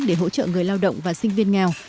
để hỗ trợ người lao động và sinh viên nghèo